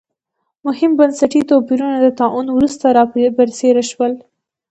مهم بنسټي توپیرونه د طاعون وروسته را برسېره شول.